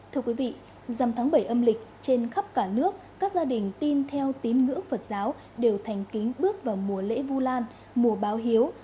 thưa quý vị dằm tháng bảy âm lịch trên khắp cả nước các gia đình tin theo tín ngưỡng phật giáo đều thành kính bước vào mùa lễ vu lan mùa báo hiếu